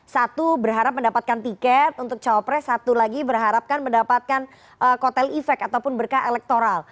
satu berharap mendapatkan tiket untuk cawapres satu lagi berharapkan mendapatkan kotel efek ataupun berkah elektoral